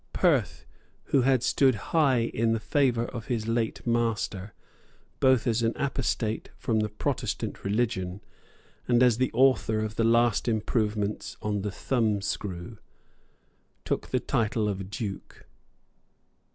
Perth, who had stood high in the favour of his late master, both as an apostate from the Protestant religion, and as the author of the last improvements on the thumb screw, took the title of Duke.